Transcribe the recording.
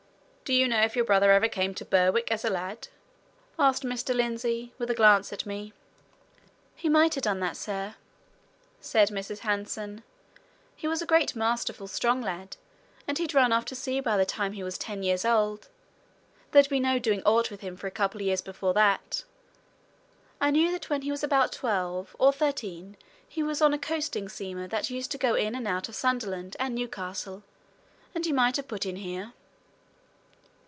"Do you know if your brother ever came to Berwick as a lad?" asked Mr. Lindsey, with a glance at me. "He might ha' done that, sir," said Mrs. Hanson. "He was a great, masterful, strong lad, and he'd run off to sea by the time he was ten years old there'd been no doing aught with him for a couple of years before that. I knew that when he was about twelve or thirteen he was on a coasting steamer that used to go in and out of Sunderland and Newcastle, and he might have put in here."